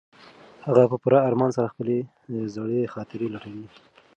هغه په پوره ارمان سره خپلې زړې خاطرې لټوي.